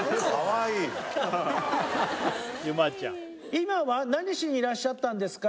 今は何しにいらっしゃったんですか？